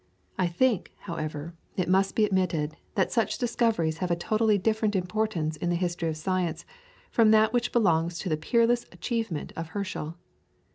I think, however, it must be admitted that such discoveries have a totally different importance in the history of science from that which belongs to the peerless achievement of Herschel.